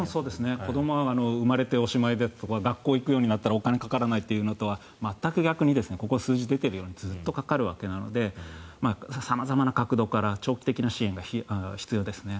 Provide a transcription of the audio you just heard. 子どもは産まれておしまいとか学校行くようになったらお金かからないというのとはここに数字が出ているようにずっとかかるわけなので様々な角度から長期的な支援が必要ですね。